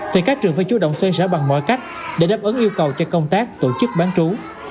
thì các trường phải chú động xoay sở bằng mọi cách để đáp ứng yêu cầu cho công tác tổ chức bán trú